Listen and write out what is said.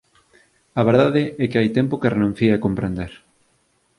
A verdade é que hai tempo que renunciei a comprender.